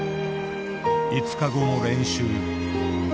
５日後の練習。